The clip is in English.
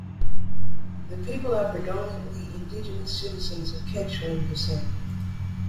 The people are predominantly indigenous citizens of Quechuan descent.